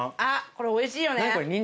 これおいしいよね。